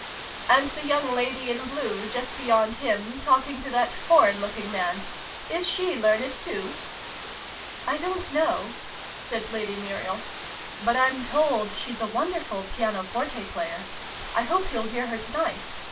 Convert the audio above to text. ' And the young lady in blue, just beyond him, talking to that foreign looking man. Is she learned, too ?"" I don't know," said Lady Muriel. " But I'm told she's a wonderful piano forte player. I hope you'll hear her to night.